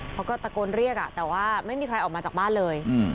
เขาก็ตะโกนเรียกแต่ว่าไม่มีใครออกมาจากบ้านเลย